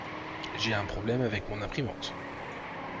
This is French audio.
J'ai un problème avec mon imprimante.